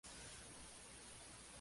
Con la Selección nacional.